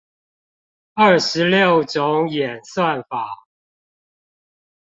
二十六種演算法